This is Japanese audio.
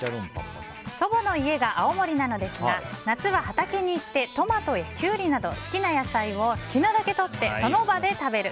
祖母の家が青森なのですが夏は畑に行ってトマトやキュウリなど好きな野菜を好きなだけとってその場で食べる。